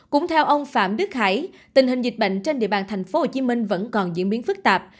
cũng theo ông phạm đức hải tình hình dịch bệnh trên địa bàn thành phố hồ chí minh vẫn còn diễn biến phức tạp